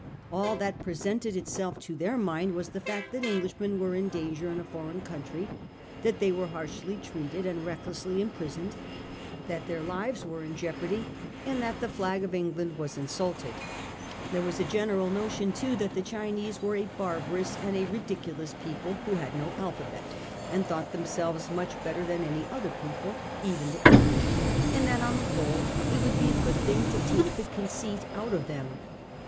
All that presented 176 4 HISTORY OF OUR OWN TIMES. . cn.yiir. itself to their mind was the fact that Englishmen were in danger in a foreign country ; that they were harshly treated and recklessly imprisoned ; that their lives were in jeopardy, and that the flag of England was insulted. There was a general notion too, that the Chinese were a barbarous and a ridiculous people who had no alphabet, and thought themselves much better than any other people, even the English, and that, on the whole, it would be a good thing to take the conceit out of them.